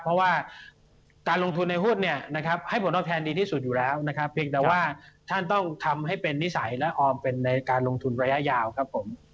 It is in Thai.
เพราะว่าการลงทุนในหุ้นเนี่ยนะครับให้ผลตอบแทนดีที่สุดอยู่แล้วนะครับเพียงแต่ว่าท่านต้องทำให้เป็นนิสัยและออมเป็นในการลงทุนระยะยาวครับผม